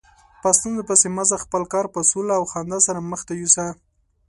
په ستونزو پسې مه ځه، خپل کار په سوله او خندا سره مخته یوسه.